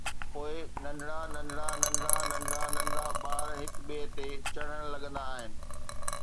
پوءِ ننڍڙا ننڍڙا ننڍڙا ننڍڙا ننڍڙا ٻار هڪ ٻئي تي چڙهڻ لڳندا آهن.